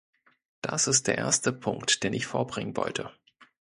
Das ist der erste Punkt, den ich vorbringen wollte.